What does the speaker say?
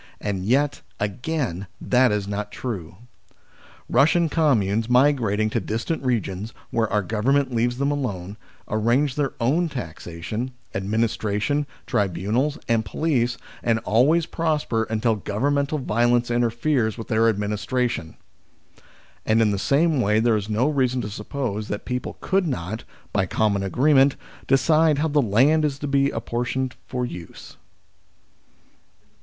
And yet, again, that is not true : Eussian communes migrating to distant regions, where our Government leaves them alone, arrange their own taxation, administration, tribunals, and police, and always prosper until governmental violence interferes with their administration. And in the same way there is no reason to suppose that people could not, by common agree ment, decide how the land is to be apportioned for use.